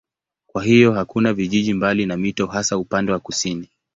Kwa hiyo hakuna vijiji mbali na mito hasa upande wa kusini.